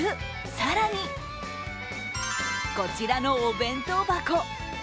更にこちらのお弁当箱。